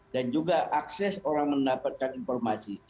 dan juga akses orang mendapatkan informasi